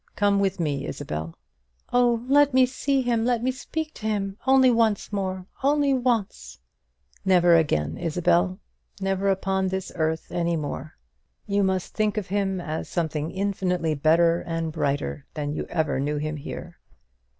"Come with me, Isabel." "Oh, let me see him! let me speak to him! Only once more only once!" "Never again, Isabel, never upon this earth any more! You must think of him as something infinitely better and brighter than you ever knew him here.